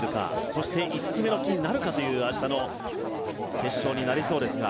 そして、５つ目の金なるかという明日の決勝になりそうですが。